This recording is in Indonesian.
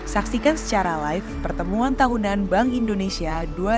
saksikan secara live pertemuan tahunan bank indonesia dua ribu dua puluh